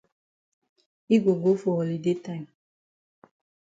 Yi go go for holiday time.